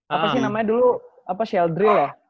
apa sih namanya dulu sheldrey ya